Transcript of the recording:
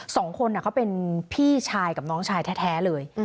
สองคนเขาเป็นพี่ชายกับน้องชายแท้เลย